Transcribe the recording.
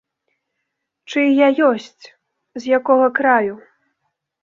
Чый я ёсць, з якога краю.